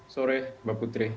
sore mbak putri